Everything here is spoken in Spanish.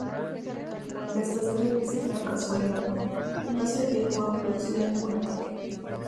Esas tres veces fracasó el arma y no se llegó a producir ningún ataque.